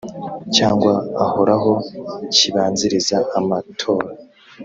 cyangwa ahoraho kibanziriza amatora